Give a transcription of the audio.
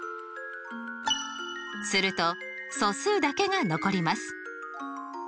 すると素数だけが残ります。